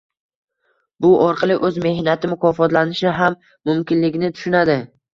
Bu orqali u o‘z mehnati mukofotlanishi ham mumkinligini tushunadi.